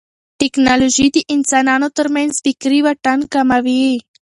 ټیکنالوژي د انسانانو ترمنځ فکري واټن کموي.